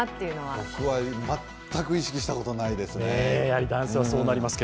僕は全く意識したことないですね。